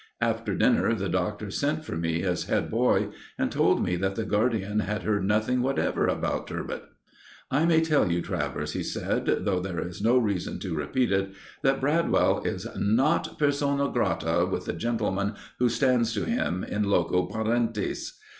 After dinner the Doctor sent for me, as head boy, and told me that the guardian had heard nothing whatever about "Turbot." "I may tell you, Travers," he said, "though there is no reason to repeat it, that Bradwell is not persona grata with the gentleman who stands to him in loco parentis.